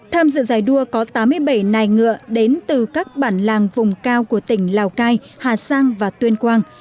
tham dự giải đua có tám mươi bảy nài ngựa đến từ các bản làng vùng cao của tỉnh lào cai hà giang và tuyên quang